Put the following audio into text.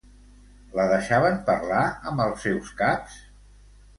La deixaven parlar amb els seus caps?